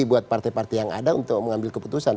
buat partai partai yang ada untuk mengambil keputusan